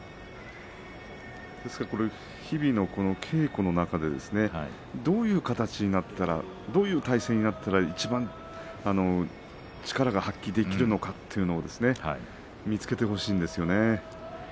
日々の稽古の中でどういう形になったらどういう体勢になったらいちばん力が発揮できるのかということを見つけてほしいんですよね。